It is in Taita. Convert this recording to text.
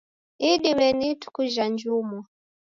Idime ni ituku jha njumwa.